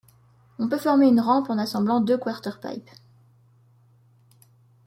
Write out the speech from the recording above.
On peut former une rampe en assemblant deux quarter-pipe.